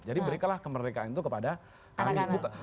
jadi berikanlah kemerdekaan itu kepada anak anak